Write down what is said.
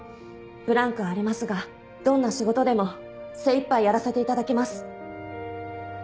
ブランクはありますがどんな仕事でも精いっぱいやらせていただきます。